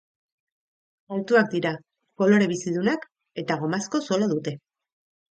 Altuak dira, kolore bizidunak eta gomazko zola dute.